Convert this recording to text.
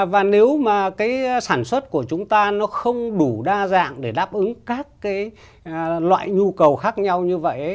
và nếu mà cái sản xuất của chúng ta nó không đủ đa dạng để đáp ứng các cái loại nhu cầu khác nhau như vậy